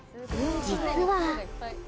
実は。